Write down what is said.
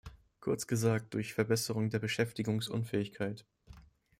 Kurz gesagt durch Verbesserung der Beschäftigungsfähigkeit.